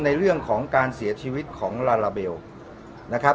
ในเรื่องของการเสียชีวิตของลาลาเบลนะครับ